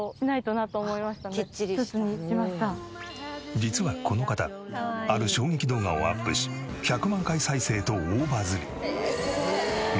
実はこの方ある衝撃動画をアップし１００万回再生と大バズり。